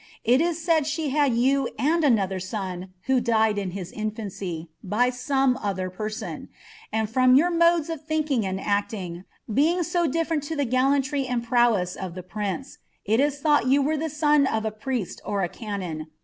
ii is said she had ^Km ftnd another arm, who died in his inlitney, by some other person ; HW fi^tn yonr modes of thinking and nciin^f, being so diSi^reni to the ' ^llaniTy and prowess of the prince, it la Ltiought you wrre the son ofa pritst or canon.